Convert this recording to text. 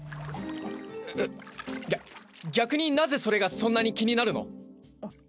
ぐっぎゃ逆になぜそれがそんなに気になるの？